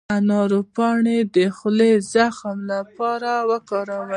د انار پاڼې د خولې د زخم لپاره وکاروئ